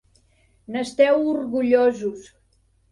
N'esteu orgullosos.